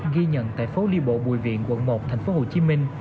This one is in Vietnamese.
ghi nhận tại phố đi bộ bùi viện quận một thành phố hồ chí minh